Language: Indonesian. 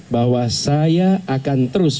bahwa saya akan terus